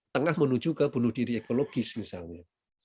tengah menuju ke bunuh diri ekologis misalnya